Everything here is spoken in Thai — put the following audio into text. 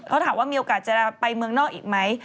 เขาถามว่ามีโอกาสจะไปเมืองนอกอีกไหม